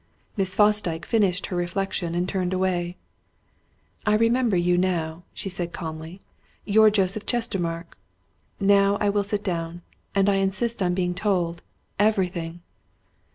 Miss Fosdyke finished her reflection and turned away. "I remember you now," she said calmly. "You're Joseph Chestermarke. Now I will sit down. And I insist on being told everything!"